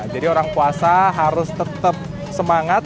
jadi orang puasa harus tetap semangat